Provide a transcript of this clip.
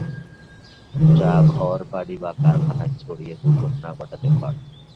যা ঘর বাড়ি বা কারখানায় ছড়িয়ে দুর্ঘটনা ঘটাতে পারে।